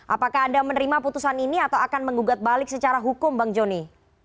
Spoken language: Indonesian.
apakah anda menerima putusan ini atau akan mengugat balik secara hukum bang joni